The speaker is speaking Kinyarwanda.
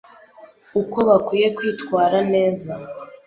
uko bakwiye kwitwara neza